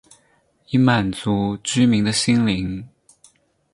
以满足居民的心灵